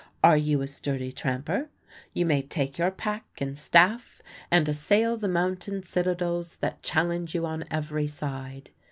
Are you a sturdy tramper? You may take your pack and staff and assail the mountain citadels that challenge you on every side.